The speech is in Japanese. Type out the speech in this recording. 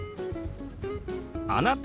「あなた？」。